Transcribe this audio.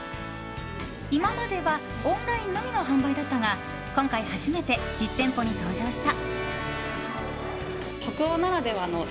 今まではオンラインのみの販売だったが今回初めて実店舗に登場した。